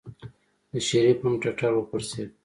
د شريف هم ټټر وپړسېد.